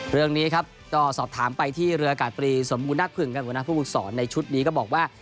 เรื่องนี้ครับต่อสอบถามไปที่เรือกาศปรีสมบูรณาผึ่งกับสมบูรณาผู้ฝึกศรในชุดนี้ก็บอกว่า